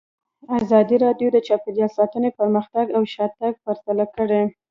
ازادي راډیو د چاپیریال ساتنه پرمختګ او شاتګ پرتله کړی.